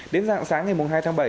đến rạng sáng ngày hai tháng bảy